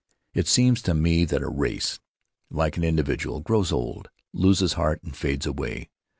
It seems to me that a race, like an individual, grows old, loses heart, and fades away.